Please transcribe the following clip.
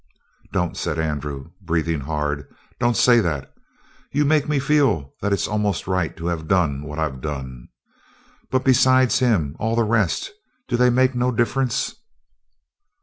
"Don't," said Andrew, breathing hard, "don't say that! You make me feel that it's almost right to have done what I've done. But besides him all the rest do they make no difference?"